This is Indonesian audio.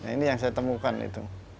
ini yang saya temukan itu